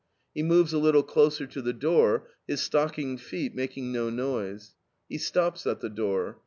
He moves a little closer to the door, his stockinged feet making no noise. He stops at the door.